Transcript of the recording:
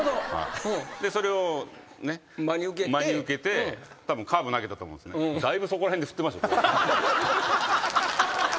それを真に受けてたぶんカーブ投げたと思うんすねだいぶそこら辺で振ってました。